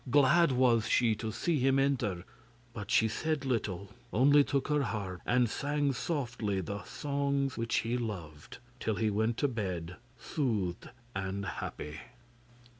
Glad was she to see him enter, but she said little, only took her harp and sang softly the songs which he loved, till he went to bed, soothed and happy.